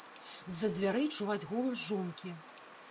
З-за дзвярэй чуваць голас жонкі.